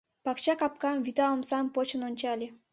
Пакча капкам, вӱта омсам почын ончале.